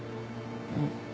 うん。